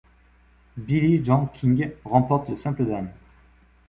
Billie Jean King remporte le simple dames.